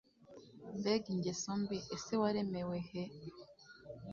mbega ingeso mbi! ese waremewe he